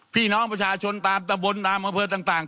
พี่น้องประชาชนตามตะบนตามอำเภอต่าง